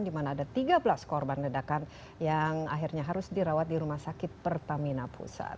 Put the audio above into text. di mana ada tiga belas korban ledakan yang akhirnya harus dirawat di rumah sakit pertamina pusat